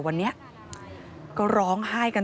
พบหน้าลูกแบบเป็นร่างไร้วิญญาณ